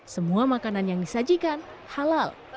semua makanan yang disajikan halal